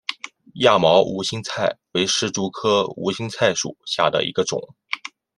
亚毛无心菜为石竹科无心菜属下的一个种。